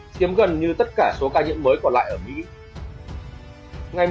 chiếm gần như tất cả số ca nhiễm mới còn lại ở mỹ